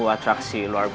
sampai jumpa di